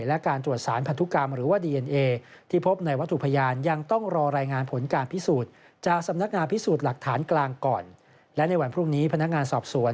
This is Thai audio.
และในวันพรุ่งนี้พนักงานสอบสวน